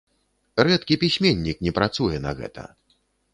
Рэдкі пісьменнік не працуе на гэта.